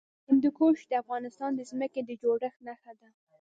هندوکش د افغانستان د ځمکې د جوړښت نښه ده.